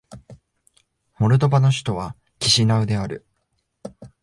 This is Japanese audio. モルドバの首都はキシナウである